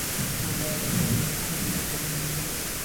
کوربه د خپلو مېلمنو عزت ته ژمن وي.